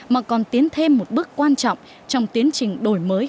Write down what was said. mà còn tiến thêm một bước quan trọng trong tiến trình đổi mới